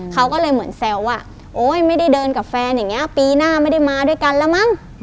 เขาก็เลยเหมือนแซวว่าโอ๊ยไม่ได้เดินกับแฟนอย่างนี้ปีหน้าไม่ได้มาด้วยกันแล้วมั้ง